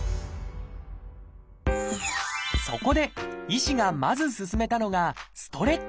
そこで医師がまず勧めたのがストレッチ。